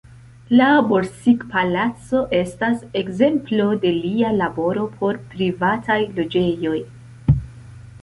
La Borsig-palaco estas ekzemplo de lia laboro por privataj loĝejoj.